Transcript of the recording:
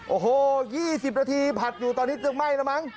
โอ้โห๒๐นาทีผัดอยู่ตอนนี้จะไหม้แล้วมั้ง